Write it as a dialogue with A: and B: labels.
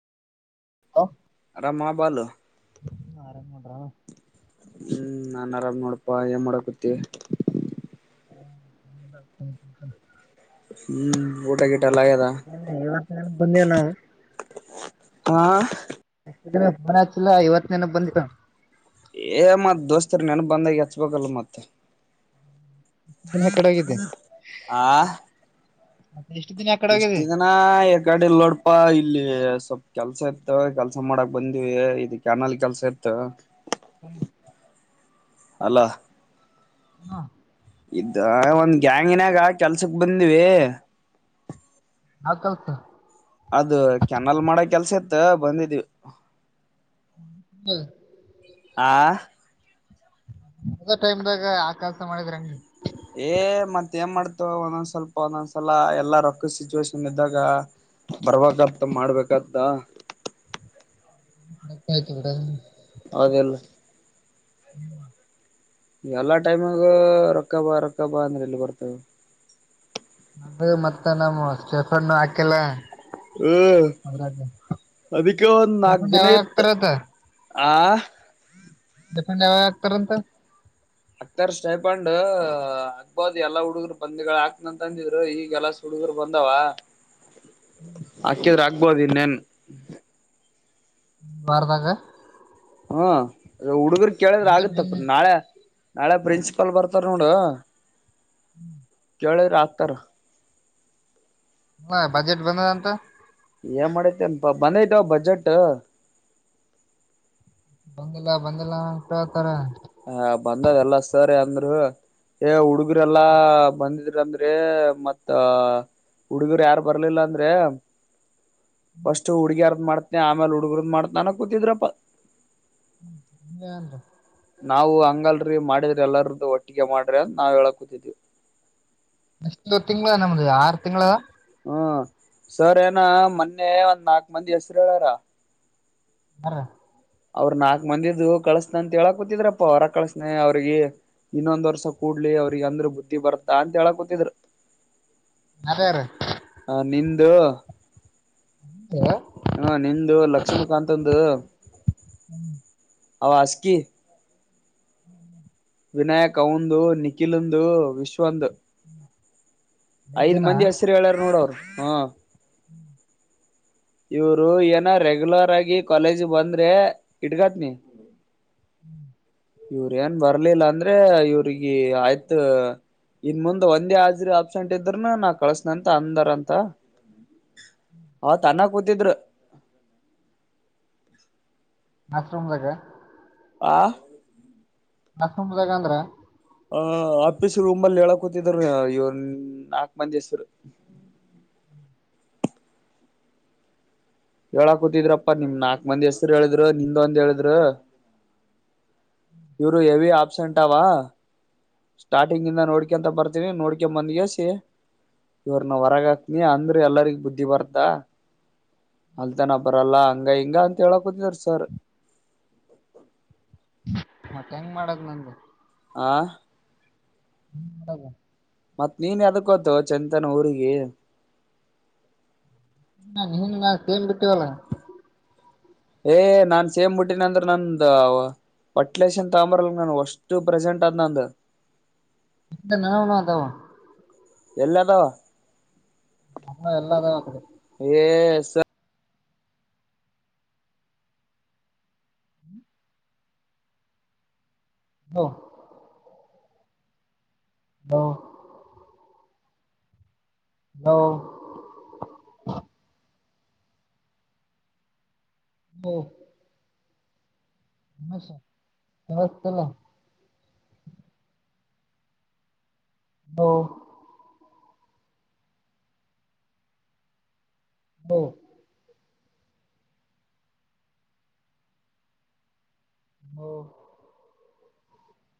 A: hello
B: ಅರಾಮ ಬಲು
A: ಹ
B: ಹ್ಮ್ ನಾನ್ ಆರಾಮ್ ನೋಡಪಾ ಏನ್ ಮಾಡಕತ್ತ
A: ಹ್ಮ
B: ಹ್ಮ್ ಊಟಾಗ
A: ಇವ ಬಂದೇವು ನಾವು
B: ಹ
A: ಮನ ಆತಿಲ್ಲ ಇವತ್ ನೇನ ಬಂದಿರ
B: ಏ ಮತ್ ದೋಸ್ತ ರ ನನ ಬಂದಾಗ ಎಚ್ಬೇಕಲ್ಲ ಮತ್ತ
A: ಕಡೆ ಹೋಗಿದ್ದೆ ಮತ್ತೆ ಎಷ್ಟು ದಿನ ಯಾಕಡೆ ಹೋಗಿದಿ
B: ಇಷ್ಟು ದಿನ ಯಕಾಡೆ ಇಲ್ಲೋಡ್ಪಾ ಇಲ್ಲಿ ಸ್ವ ಕೆಲ್ಸ ಇತ ಕೆಲ್ಸ ಮಾಡಕ್ ಬಂದಿವವಿ ಇದಕ್ಕೆ್ಯನಲ್ ಕೆಲ್ಸ ಇತ
A: ಹ್ಮ್
B: ಅಲ್ಲ
A: ಹಾ
B: ಇದ ಒಂದ್ ಗ್ಯಾಂಗಿನಾಗ ಕೆಲ್ಸಕ್ ಬಂದವಿ
A: ಆಕಲ್ಸ
B: ಅದು ಕೆನಲ್ ಮಾಡ ಕೆಲ್ಸ ಇತ್ ಬಂದಿದೀವಿ
A: ಹ್ಮ
B: ಆ
A: ಅದ ಟೈಮ್ದಾಗ ಆ ಕೆಲ್ಸ ಮಾಡಿದ್ರಂಗಿ
B: ಏ ಮತ್ತ ಏನ್ ಮಾಡ್ತು ಒಂದೊಂದ್ ಸ್ವಲ್ಪ ಒಂದೊಂದ್ಸಲ ಎಲ್ಲಾ ರೊಕ್ಕದ ಸಿಚುವೇೇಶನ್ ಇದ್ದಾಗ ಬರ್ವತ್ತ ಮಾಡ್ಬೇಕತ್ತ
A: ಮತ್ತ ಆಯ್ತು ಬಿೇಡ
B: ಹಾಗದಲ್ಲ
A: ಹ್ಮ್
B: ಎಲ್ಲಾ ಟೈಮಗ ರೊಕ್ಕಬ ರೊಕ್ಕಬ ಅಂದ್ರೆ ಇಲ್ಲಿ ಬರ್ತವೆ
A: ನ ಮತ್ತ ನಮ್ಮ ಸ್ಟೆಫನ್ ಹಾಕಲ್ಲ
B: ಹ ಅದಕ್ಕೆ
A: ಸ್ಟೆಫನ್ ಯಾವಾಗ
B: ನಾಗಜನತ್ತು
A: ಹಾಕ್ತಾರಂತ
B: ಆ
A: ಫೆಂಡ ಯಾವಾಗಗ್ತಂತ
B: ಅತರ್ ಸ್ಟೈಫಂಡ್ ಅಕ್ಬದ್ ಎಲ್ಲಾ ಹುಡುಗರು ಬಂದಿಗಳ ಹಾಕ್ನಂತ ಅಂದಿದ್ರು ಈಗಲ್ಲಾ ಸುಲ್ ಬಂದಾವ ಆಕಿದ್ರೆ ಆಗ್ಬೋದು ಇನ್ನೇನ್
A: ಬಾರತಾಗ
B: ಹ್ಮ್ ಅದ ಹುಡುಗರು ಕೇಳಿದ್ರೆ ಆಗುತ್ತಪ್ಪ
A: ಬಂದಿ
B: ನಾಳೆ ನಾಳೆ ಪ್ರಿನ್ಸಿಪಾಲ್ ಬರ್ತಾರ ನೋಡು
A: ಹ್ಮ್
B: ಜಳರತ್ರ
A: ಹ ಬಜೆಟ್ ಬಂದ ಅಂತ
B: ಏನ್ ಮಾಡೈತೆಪ ಬಂದೈತ ಬಜೆಟ್
A: ಬಂದಿಲ್ಲ ಬಂದಿಲ್ಲ ಉಂಟ ಹತಾರ
B: ಹ ಬಂದದ ಎಲ್ಲ ಸರಿ ಅಂದ್ರ ಏ ಹುಡುಗರೆ ಎಲ್ಲಾ ಬಂದಿದ ಅಂದ್ರೆ ಮತ್ತ ಹುಡುಗರು ಯಾರು ಬರ್ಲಿಲ್ಲ ಅಂದ್ರೆ ಫಸ್ಟ್ ಹುಡ್ಗ್ಯಾರದ ಮಾಡ್ತನನೆ ಆಮೇಲ್ ಹುಡ್ಗರದ ಮಾಡ್ತ ನನ ಕೂತಿದ್ರಪ್ಪ
A: ಹ್ಮನ್
B: ನಾವು ಹಂಗಲ್ರಿ ಮಾಡಿದ್ರ ಎಲ್ಲಾರದ್ದು ಒಟ್ಟಿಗೆ ಮಾಡ್ರಿ ಅ ನಾವ್ ಹೇಳ ಕೂತಿದೀವಿ
A: ಒ ತಿಂಗಳ ನಮ್ದು ಆರು ತಿಂಗಳದ
B: ಹ್ಮ ಸರ್ ಏನ ಮೊನ್ನೆ ಒಂದ್ ನಾಕ್ ಮಂದಿ ಹೆಸರು ಹೇಳಾರ
A: ಹ
B: ಅವ್ರ್ ನಾಕ್ ಮಂದಿದು ಕಳಸನ ಅಂತ ಹೇಳಕ್ ಕೂತಿದ್ರಪ್ಪ ಹೊರ ಕಳಸನ ಅವ್ರಿಗೆ ಇನ್ನೊಂದ್ ವರ್ಷ ಕೂ ಳ್ಳಿ ಅವ್ರಿಗೆ ಅಂದ್ರು ಬುದ್ಧಿ ಬರ್ತ್ತಾ ಅಂತ ಹೇಳಕ್ ಕೂತಿದ್ರು
A: ಯಾರ್ಯಾರ
B: ಹ ನಿ್ದು
A: ಹ್ಮ್
B: ಹಾ ನಿ್ದ ಲಕ್ಷ್ಮಕಾತ್ಂದು
A: ಹ್ಮ್
B: ಆವಾಜ ಕ
A: ಹ್ಮ್
B: ವಿನಾಯಕ ಉಂದು ನಿಖಿಲ್ಂದು ವಿಶ್ವಂದು ಐದ್ ಮಂದಿ ಹಸರು ಹೇಳ್ಯಾರ ನೋಡವರು ಹ ಇವರು ಏನ ರೆಗ್ಯುಲರ್ ಆಗಿ ಕಾಲೇಜ ಬಂದ್ರೆ ಹಡ್ಗತ್ನಿ
A: ಹ್ಮ್
B: ಇವ್ರ ಏನ್ ಬರ್ಲಿಲ್ಲ ಅಂದ್ರೆ ಇವ್ರಿಗೆ ಆಯ್ತು ಇನ್ ಮುಂದ್ ಒಂದೇ ಹಾಜ್ರ ಅಬ್ಸೆಂಟ್ ಇದ್ರೂನು ನಾ ಕಳಸನಂತ ಅಂದರ ಅಂತ ಹ ತನ್ನ ಕೂತಿದ್ರು
A: ಮಾಶರುೂಮ್ದಾಗ
B: ಆ
A: ನತ್ಕಂಬದಾಗ ಅಂದ್ರೆ
B: ಹ ಆಫೀಸ್ರು ರೂಂಬಲ್ಲಿ ಹೇಳಕ್ೂತಿದ್ರು ಇವ ನಾಕ್ ಮಂದಿ ಹೆಸರು ಹೇಳಾಕ್ ಕೂತಿದ್ರಪ್ಪಾ ನಿಮ ನಾಕ್ ಮಂದಿ ಹೆಸ್ರು ಹೇಳಿದ್ರು ನಿಂದ ಒಂದ್ ಹೇಳಿದ್್ರ ಇವರು ಹೆವಿ ಆಪ್ಸೆಂಟ್ವಾ ಸ್ಟಾರ್ಟಿಂಗ್ ಇಂದ ನೋಡ್ಕಂತ ಬರ್ತೀನಿ ನೋಡ್ಕ ಬಂದಗೆ ಸಿ ಇವ್ರನ ಹೊರಗ ಹಾಕ್ನಿ ಅಂದ್ರೆ ಎಲ್ಲರಿಗ ಬುದ್ಧಿ ಬರ್ತಾ ಅಲ್ತಾನ ಬರಲ್ಲ ಹಂಗ ಹಿಂಗ ಅಂತ ಹೇಳಕತಿದಾರ ಸರ್ ಹಪ್ಪ
A: ಮತ್ತೆ ಹೆಂಗ್ ಮಾಡದ್ ನಂದು
B: ಆ
A: ಹ್ಮ ಬರಬ
B: ಮತ್ತ್ ನೀನ್ ಅದಕ್ಕೋತ ಚಂತನ್ ಊರಿಗೆ
A: ಹ ನೀನ್ ೇಮ್ ಬಿಟ್ಟಿವಲ್ಲ
B: ಏ ನಾನ್ ಸೇಮ್ಬಟ್ಟನ ಅಂದ್ರೆ ನಂದ ಪಟ್ಲೇಶನ್ ತಾಮ್ರಲ್ಲ ನಾನು ಅಷ್ಟು ಪ್ರೆಸೆಂಟ್ ಅ ಅಂದ
A: ಎಂತ ನನಣ ಅದಾವ
B: ಎಲ್ಲಾದೋ
A: ನಲ್ಲ ಎಲ್ಲಾದ ಆದೆ
B: ಎ ಸ
A: ಹ್ಮ ಹಾ ಹ ಹ್ಮ ಹ ಹವಸ್ತಲ್ಲ ಹ್ಮ ಹೌ ಹ್ಮ